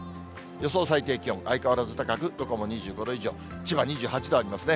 予想最低気温、相変わらず高く、どこも２５度以上、千葉２８度ありますね。